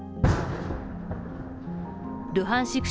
ルハンシク